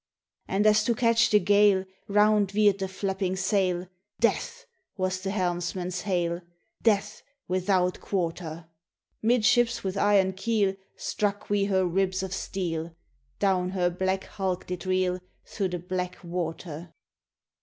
"And as to catch the gale Round veered the flapping sail, ' Death !' was the helmsman's hail, 'Death without quarter!' Mid ships with iron keel Struck we her ribs of steel ; Down her black hulk did reel Through the black water!